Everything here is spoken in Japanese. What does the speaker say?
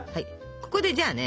ここでじゃあね